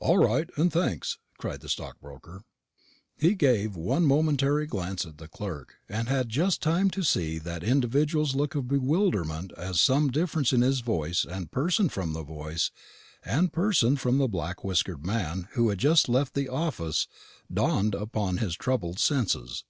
"All right, and thanks," cried the stockbroker. He gave one momentary glance at the clerk, and had just time to see that individual's look of bewilderment as some difference in his voice and person from the voice and person of the black whiskered man who had just left the office dawned upon his troubled senses.